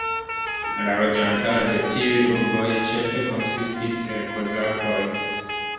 La loĝantaro de tiuj urboj ĉefe konsistis el kozakoj.